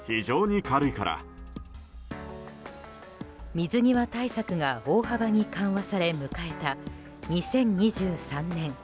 水際対策が大幅に緩和され迎えた２０２３年。